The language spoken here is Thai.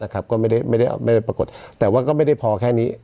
ก็ไม่ได้ปรากฏแต่ว่าก็ไม่ได้พอแค่นี้